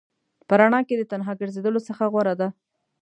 په رڼا کې د تنها ګرځېدلو څخه غوره ده.